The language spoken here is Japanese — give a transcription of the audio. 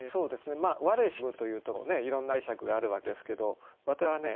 まあ「我沈む」というところねいろんな解釈があるわけですけど私はね